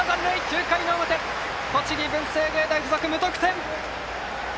９回の表、栃木・文星芸大付属無得点！